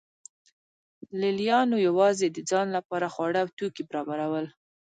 لې لیانو یوازې د ځان لپاره خواړه او توکي برابرول